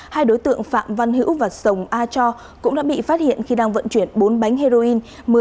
hai đối tượng phạm văn hữu và sồng a cho cũng đã bị phát hiện khi đang vận chuyển bốn bánh heroin